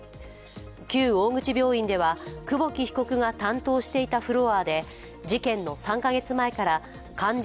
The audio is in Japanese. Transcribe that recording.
旧大口病院では久保木被告が担当していたフロアで事件の３カ月前から患者